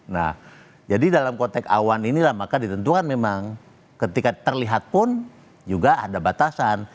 nah jadi dalam konteks awan inilah maka ditentukan memang ketika terlihat pun juga ada batasan